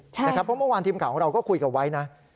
เพราะเมื่อวานทีมข่าวของเราก็คุยกับไว้นะ